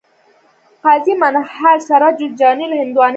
قاضي منهاج سراج جوزجاني له هندوانو سره